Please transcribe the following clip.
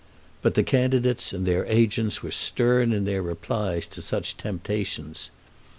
But the candidates and their agents were stern in their replies to such temptations.